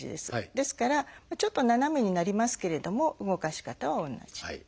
ですからちょっと斜めになりますけれども動かし方は同じ。